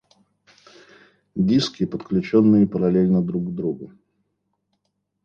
Диски, подключенные параллельно друг к другу